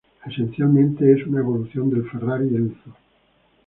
Esencialmente es una evolución del Ferrari Enzo.